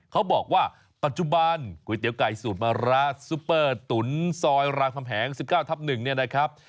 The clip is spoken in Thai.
เขาบอกว่าปัจจุบันก๋วยเตี๋ยไก่สูตรมะร้าซุปเปอร์ตุ๋นซอยรามคำแหง๑๙ทับ๑เนี่ยนะครับ